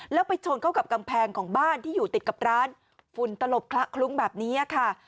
แล้วไปชนเข้ากับกำแพงของบ้านที่อยู่ติดกับร้านฝุ่นตลบคละคลุ้งแบบนี้ค่ะ